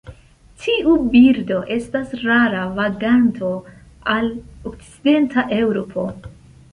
Tiu birdo estas rara vaganto al okcidenta Eŭropo.